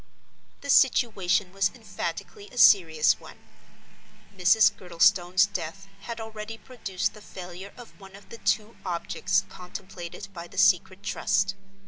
The situation was emphatically a serious one. Mrs. Girdlestone's death had already produced the failure of one of the two objects contemplated by the Secret Trust.